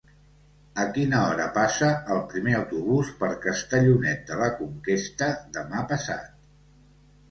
A quina hora passa el primer autobús per Castellonet de la Conquesta demà passat?